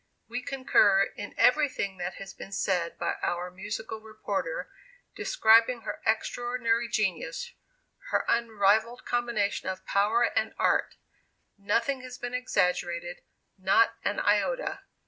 "We concur in everything that has been said by our musical reporter, describing her extraordinary genius her unrivalled combination of power and art. Nothing has been exaggerated, not an iota.